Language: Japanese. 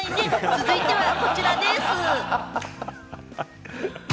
続いてはこちらです。